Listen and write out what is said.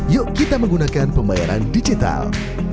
yuk kita menggunakan pembayaran digital